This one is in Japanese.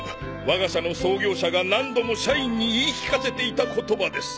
我が社の創業者が何度も社員に言い聞かせていた言葉です。